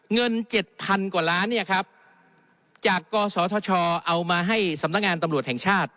เงิน๗๐๐กว่าล้านเนี่ยครับจากกศธชเอามาให้สำนักงานตำรวจแห่งชาติ